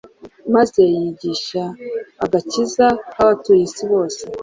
maze yigisha agakiza k'abatuye isi bose.